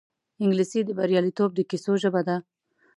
انګلیسي د بریالیتوب د کیسو ژبه ده